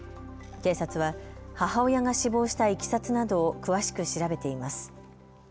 警察は母親が死亡したいきさつなどを詳しく調べています。